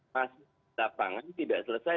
pas lapangan tidak selesai